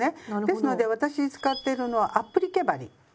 ですので私使ってるのはアップリケ針になります。